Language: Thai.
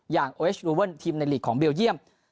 โอเอชลูเวิลทีมในลีกของเบลเยี่ยม